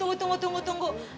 ah tunggu tunggu tunggu